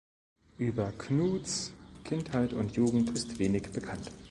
Über Knuths Kindheit und Jugend ist wenig bekannt.